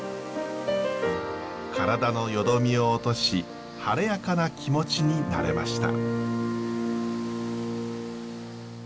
体のよどみを落とし晴れやかな気持ちになれました。